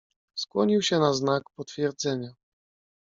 "Skłonił się na znak potwierdzenia."